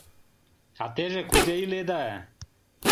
А теже кузе иледа?..